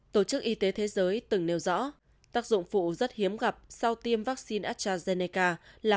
tổ chức y tế thế giới từng nêu rõ tác dụng phụ rất hiếm gặp sau tiêm vaccine astrazeneca là